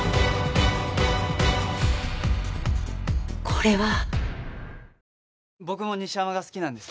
これは。